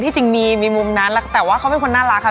จริงมีมุมนั้นแต่ว่าเขาเป็นคนน่ารักค่ะ